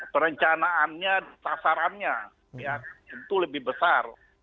perencanaannya sasarannya tentu lebih besar